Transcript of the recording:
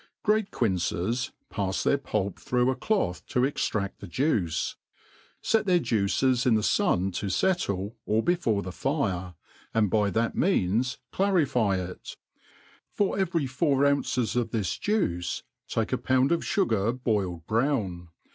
GRA^E quinces, pafs their p*ilp through a cloth to txtrs^Q, the juice, fet their juices in the fun to fettle, or before the fire, and by that means clarify it ; for every four ounces of this juice take a pound of fugar boiled brown.